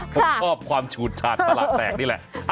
ผมชอบความฉูดฉาดตลาดแตกนี่แหละ